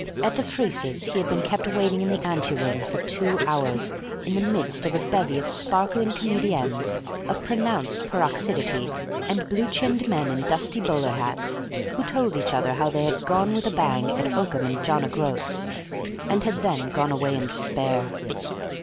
At de Freece's he had been kept waiting in the ante room for two hours in the midst of a bevy of Sparkling Comediennes of pronounced peroxidity and blue chinned men in dusty bowler hats, who told each other how they had gone with a bang at Oakham and John o'Groats, and had then gone away in despair.